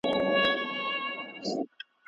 ښه پوهېږم چې دې ماته اندېښنه ده